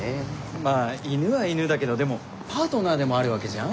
まぁ犬は犬だけどでもパートナーでもあるわけじゃん？